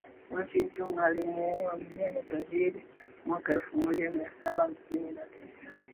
Washington alimuoa mjane tajiri mwaka elfumoja mia saba hamsini na tisa